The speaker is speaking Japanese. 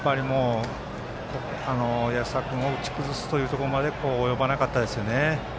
安田君を打ち崩すところまで及ばなかったですよね。